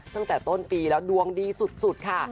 ตั้งแต่ต้นปีแล้วดวงดีสุดค่ะ